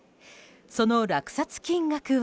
その落札金額は。